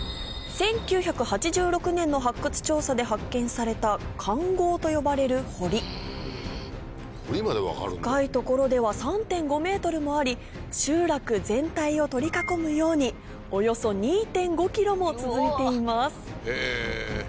１９８６年の発掘調査で発見された環壕と呼ばれる堀深い所では３．５ｍもあり集落全体を取り囲むようにおよそ２．５ｋｍも続いています